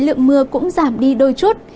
lượng mưa cũng giảm đi đôi chút